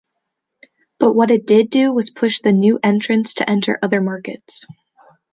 But what it did do was push the new entrants to enter other markets.